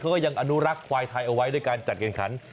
เขาก็ยังอนุรักษ์ควายไทยเอาไว้ด้วยการจัดการขัน